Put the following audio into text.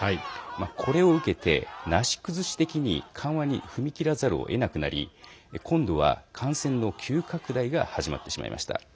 これを受けて、なし崩し的に緩和に踏み切らざるをえなくなり今度は感染の急拡大が始まってしまいました。